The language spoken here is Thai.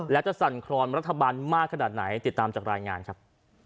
และจะสั่นครอนรัฐบาลมากขนาดไหนติดตามจากรายงานครับ